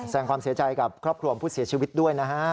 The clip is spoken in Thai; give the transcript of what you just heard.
แสดงความเสียใจกับครอบครัวผู้เสียชีวิตด้วยนะฮะ